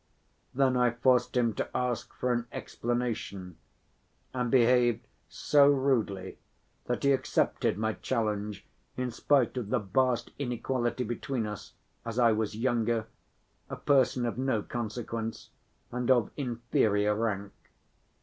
Then I forced him to ask for an explanation, and behaved so rudely that he accepted my challenge in spite of the vast inequality between us, as I was younger, a person of no consequence, and of inferior rank.